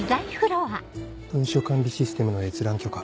文書管理システムの閲覧許可